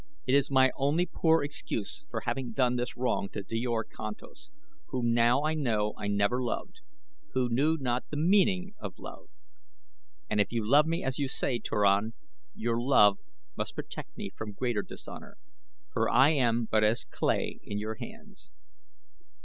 It is my only poor excuse for having done this wrong to Djor Kantos, whom now I know I never loved, who knew not the meaning of love. And if you love me as you say, Turan, your love must protect me from greater dishonor, for I am but as clay in your hands."